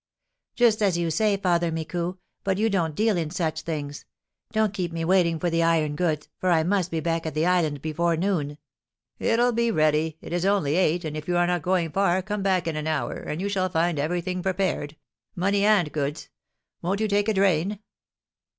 "Just as you say, Father Micou; but you don't deal in such things. Don't keep me waiting for the iron goods, for I must be back at the island before noon." "I'll be ready. It is only eight, and, if you are not going far, come back in an hour, and you shall find everything prepared, money and goods. Won't you take a drain?"